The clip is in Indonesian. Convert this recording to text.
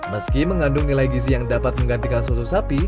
meski mengandung nilai gizi yang dapat menggantikan susu sapi